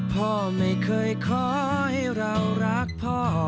พ่อไม่เคยขอให้เรารักพ่อ